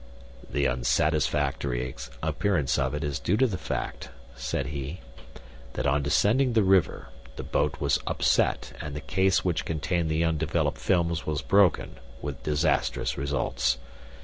"The unsatisfactory appearance of it is due to the fact," said he, "that on descending the river the boat was upset and the case which contained the undeveloped films was broken, with disastrous results.